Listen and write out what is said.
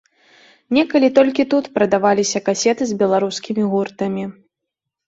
Некалі толькі тут прадаваліся касеты з беларускімі гуртамі.